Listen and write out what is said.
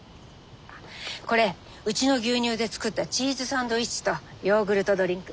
あこれうちの牛乳で作ったチーズサンドイッチとヨーグルトドリンク。